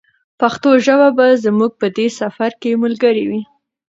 پښتو ژبه به زموږ په دې سفر کې ملګرې وي.